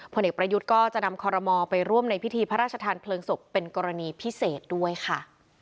เอกประยุทธ์ก็จะนำคอรมอลไปร่วมในพิธีพระราชทานเพลิงศพเป็นกรณีพิเศษด้วยค่ะ